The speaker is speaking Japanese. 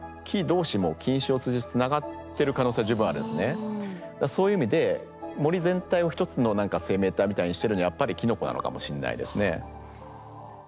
更に言うと地下ではそういう意味で森全体を一つの生命体みたいにしてるのはやっぱりキノコなのかもしれないですね。